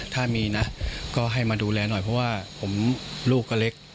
ถ้ามีนะก็ให้มาดูแลหน่อยเพราะว่าผมลูกก็เล็ก